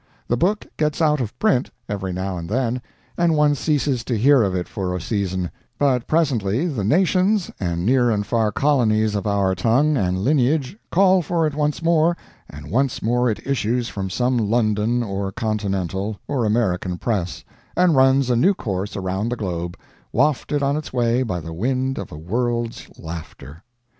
The book gets out of print, every now and then, and one ceases to hear of it for a season; but presently the nations and near and far colonies of our tongue and lineage call for it once more, and once more it issues from some London or Continental or American press, and runs a new course around the globe, wafted on its way by the wind of a world's laughter.